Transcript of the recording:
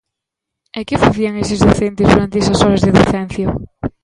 ¿E que facían eses docentes durante esas horas de docencia?